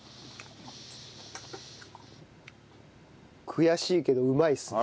悔しいけどうまいっすね。